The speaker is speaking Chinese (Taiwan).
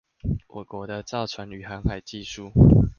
我國的造船與航海技術